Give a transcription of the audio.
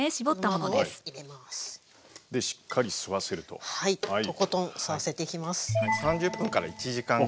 とことん吸わせていきます。